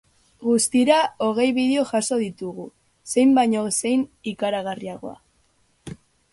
Guztira, hogei bideo jaso ditugu, zein baino zein ikaragarriagoa.